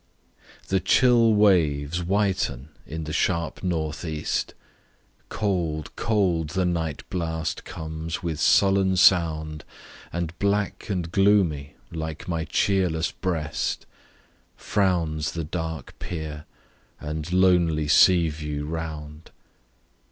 THE chill waves whiten in the sharp North east; Cold, cold the night blast comes, with sullen sound, And black and gloomy, like my cheerless breast: Frowns the dark pier and lonely sea view round.